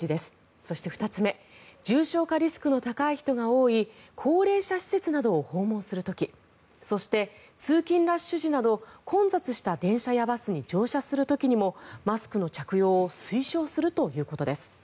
そして２つ目重症化リスクの高い人が多い高齢者施設などを訪問する時そして通勤ラッシュ時など混雑した電車やバスに乗車する時にもマスクの着用を推奨するということです。